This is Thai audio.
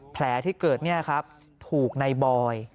อ๋อแผลที่เกิดนี่ครับถูกนายบอย